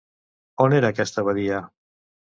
On era aquesta abadia?